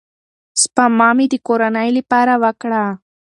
سپما مې د کورنۍ لپاره وکړه.